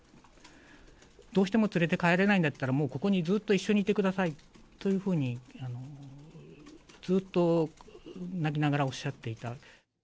どうしても連れて帰れないんだったら、もうここにずっと一緒にいてくださいというふうに、ずっと泣きながらおっしゃっていた。